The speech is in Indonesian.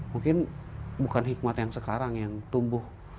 mungkin bukan hikmat yang sekarang yang tumbuh